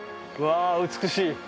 うわぁ美しい。